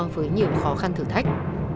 với nhiều khó khăn thử thách